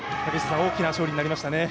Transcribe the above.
大きな勝利になりましたね。